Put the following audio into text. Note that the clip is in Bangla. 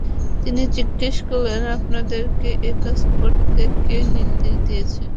তিনি জিজ্ঞেস করলেন, আপনাদেরকে এ কাজ করতে কে নির্দেশ দিয়েছে?